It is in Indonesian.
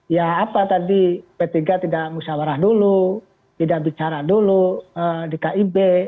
ya apa tadi p tiga tidak musyawarah dulu tidak bicara dulu di kib